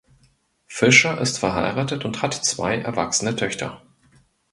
Fischer ist verheiratet und hat zwei erwachsene Töchter.